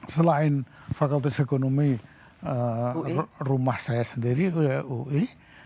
selain fakultas ekonomi rumah saya sendiri oleh ui